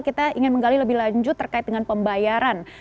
kita ingin menggali lebih lanjut terkait dengan pembayaran